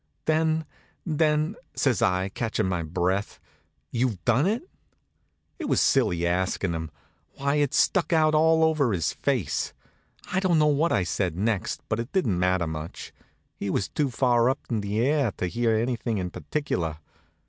"Then then " says I, catchin' my breath, "you've done it?" It was silly askin' him. Why, it stuck out all over his face. I don't know what I said next, but it didn't matter much. He was too far up in the air to hear anything in particular.